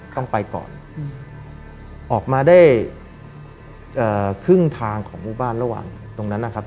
ต้องไปก่อนออกมาได้ครึ่งทางของหมู่บ้านระหว่างตรงนั้นนะครับ